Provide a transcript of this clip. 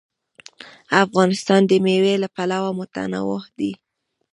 افغانستان د مېوې له پلوه متنوع دی.